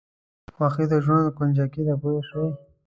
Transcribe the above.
خوښي د ژوند کونجي ده پوه شوې!.